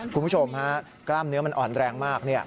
คุณผู้ชมฮะกล้ามเนื้อมันอ่อนแรงมาก